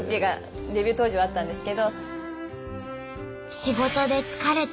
仕事で疲れて